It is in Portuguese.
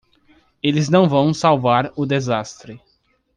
Eles não vão salvar o desastre